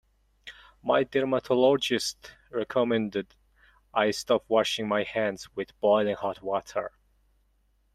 My dermatologist recommended I stop washing my hands with boiling hot water.